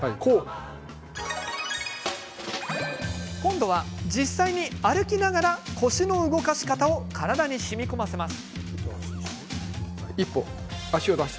今度は、実際に歩きながら腰の動かし方を体にしみこませます。